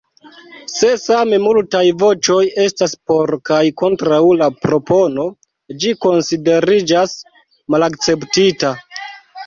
Se same multaj voĉoj estas por kaj kontraŭ la propono, ĝi konsideriĝas malakceptita.